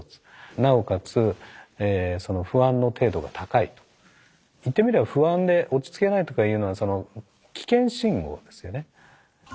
なおかつ言ってみれば不安で落ち着けないとかいうのはその危険信号ですよね。